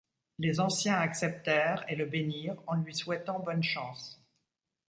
Les Anciens acceptèrent et le bénirent en lui souhaitant bonne chance.